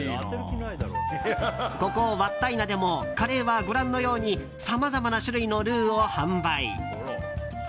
ここ、わったいなでもカレーはご覧のようにさまざまな種類のルーを販売。